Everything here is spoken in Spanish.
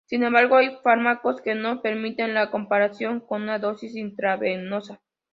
Sin embargo, hay fármacos que no permiten la comparación con una dosis intravenosa.